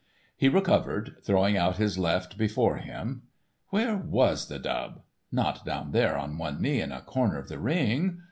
He recovered, throwing out his left before him. Where was the dub? not down there on one knee in a corner of the ring?